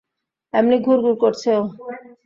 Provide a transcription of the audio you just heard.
এমনি ঘুরঘুর করছে ও।